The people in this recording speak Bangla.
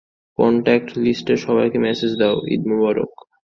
কন্টাক্ট লিস্টের সবাইকে মেসেজ দাও, ঈদ মোবারক।